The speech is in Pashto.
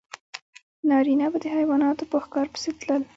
نارینه به د حیواناتو په ښکار پسې تلل.